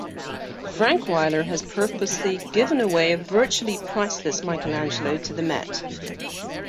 Frankweiler has purposefully "given away" a virtually priceless Michelangelo to the Met.